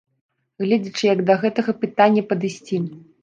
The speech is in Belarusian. Гледзячы, як да гэтага пытання падысці.